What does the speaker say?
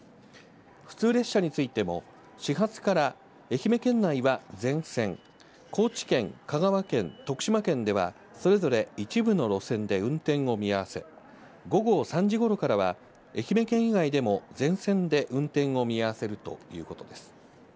普通列車についても始発から愛媛県内は全線、高知県、香川県、徳島県ではそれぞれ一部の路線で運転を見合わせ、午後３時ごろからは愛媛県以外でも全線で運転を見合わせるということです。